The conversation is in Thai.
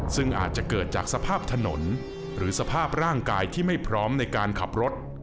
ซึ่งอาจจะเกิดจากสภาพถนนหรือสภาพร่างกายที่ไม่พร้อมในการขับรถ